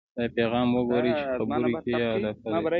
دا پیغام ورکوئ چې خبرو کې یې علاقه لرئ